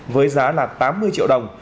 với giá là tám mươi triệu đồng